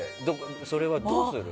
それはどうする？